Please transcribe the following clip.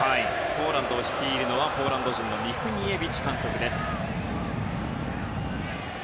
ポーランドを率いるのはポーランド人のミフニエビチ監督です。